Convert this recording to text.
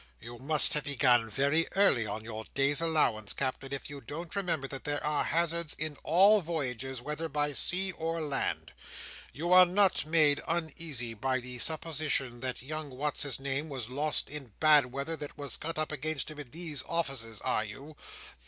You must have begun very early on your day's allowance, Captain, if you don't remember that there are hazards in all voyages, whether by sea or land. You are not made uneasy by the supposition that young what's his name was lost in bad weather that was got up against him in these offices—are you?